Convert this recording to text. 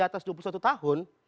di atas dua puluh satu tahun